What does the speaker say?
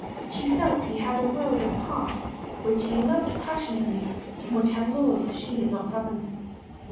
She felt he had a world apart, which he loved passionately and which had laws she had not fathomed.